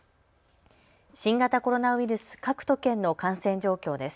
新型コロナウイルス、各都県の感染状況です。